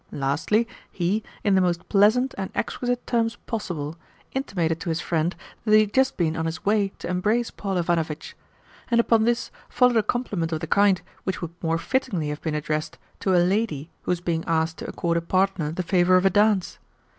Lastly, he, in the most pleasant and exquisite terms possible, intimated to his friend that he had just been on his way to embrace Paul Ivanovitch; and upon this followed a compliment of the kind which would more fittingly have been addressed to a lady who was being asked to accord a partner the favour of a dance.